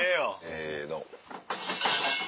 せの。